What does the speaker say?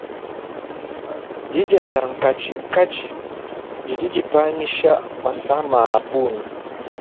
Didia dia nkatshinkatshi didi dipangisha masama a bungi.